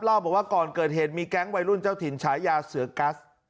เล่าบอกว่าก่อนเกิดเหตุมีแก๊งวัยรุ่นเจ้าถิ่นฉายาเสือกัส